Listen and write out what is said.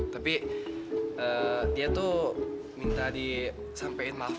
tapi dia tuh minta disampein maafnya